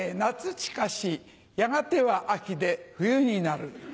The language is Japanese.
近しやがては秋で冬になる。